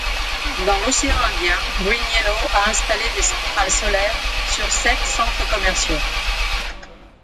Dans l'Océan Indien, GreenYellow a installé des centrales solaires sur sept centres commerciaux.